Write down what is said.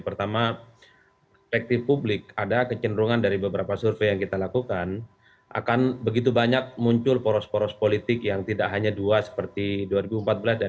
pertama perspektif publik ada kecenderungan dari beberapa survei yang kita lakukan akan begitu banyak muncul poros poros politik yang tidak hanya dua seperti dua ribu empat belas dan dua ribu